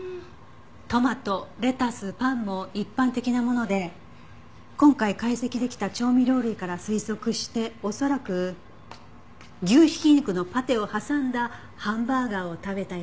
トマトレタスパンも一般的なもので今回解析できた調味料類から推測して恐らく牛挽き肉のパテを挟んだハンバーガーを食べたようです。